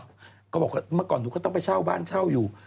ก็บอกว่าเมื่อก่อนหนูก็ต้องไปเช่าบ้านเช่าอยู่